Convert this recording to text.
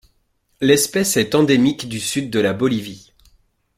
L'espèce est endémique du sud de la Bolivie.